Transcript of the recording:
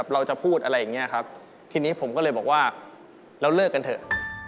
เราเลิกกันเถอะ